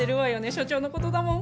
所長の事だもん。